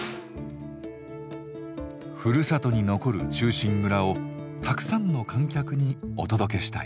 ふるさとに残る「忠臣蔵」をたくさんの観客にお届けしたい。